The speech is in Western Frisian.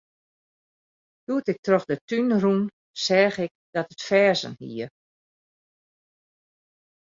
Doe't ik troch de tún rûn, seach ik dat it ferzen hie.